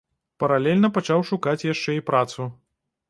Паралельна пачаў шукаць яшчэ і працу.